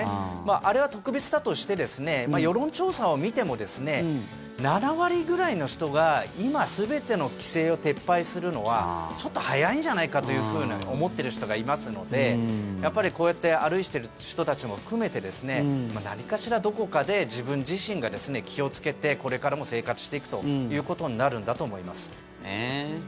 あれは特別だとして世論調査を見ても７割ぐらいの人が今、全ての規制を撤廃するのはちょっと早いんじゃないかと思ってる人がいますのでやっぱりこうやって歩いてる人たちも含めて何かしら、どこかで自分自身が気をつけてこれからも生活していくということになると思います。